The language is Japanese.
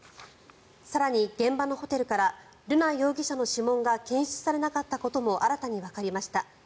更に、現場のホテルから瑠奈容疑者の指紋が検出されなかったことも新たにわかりました。